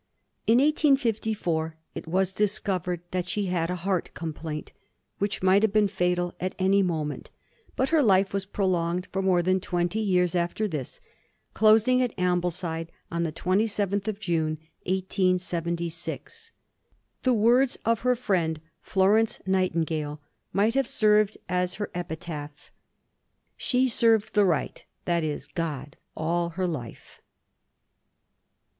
In 1854 it was discovered that she had a heart complaint, which might have been fatal at any moment, but her life was prolonged for more than twenty years after this, closing at Ambleside on 27th June 1876. The words of her friend, Florence Nightingale, might have served as her epitaph—"She served the Right, that is, God, all her life."